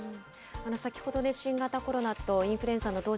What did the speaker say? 先ほど、新型コロナとインフルエンザの同時